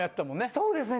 そうですね。